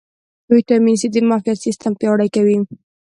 ویټامین سي د معافیت سیستم پیاوړی کوي